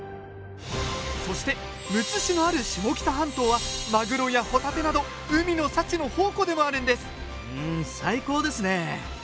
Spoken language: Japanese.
そしてむつ市のある下北半島はマグロやホタテなど海の幸の宝庫でもあるんですうん最高ですね！